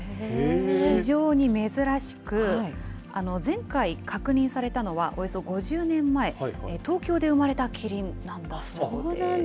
非常に珍しく、前回確認されたのはおよそ５０年前、東京で生まれたキリンなんだそうです。